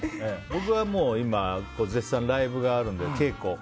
僕は絶賛ライブがあるので稽古。